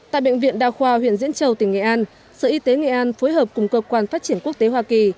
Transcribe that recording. tại bệnh viện đa khoa huyện diễn châu tỉnh nghệ an sở y tế nghệ an phối hợp cùng cơ quan phát triển quốc tế hoa kỳ